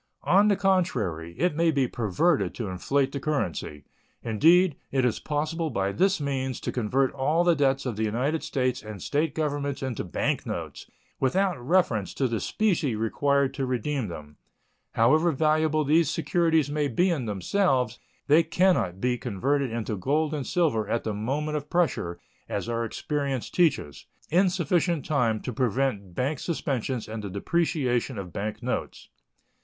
On the contrary, it may be perverted to inflate the currency. Indeed, it is possible by this means to convert all the debts of the United States and State Governments into bank notes, without reference to the specie required to redeem them. However valuable these securities may be in themselves, they can not be converted into gold and silver at the moment of pressure, as our experience teaches, in sufficient time to prevent bank suspensions and the depreciation of bank notes.